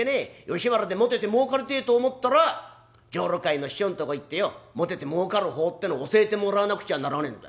吉原でもてて儲かりてえと思ったら女郎買いの師匠んとこへ行ってよもてて儲かる法ってのを教えてもらわなくっちゃならねえんだ」。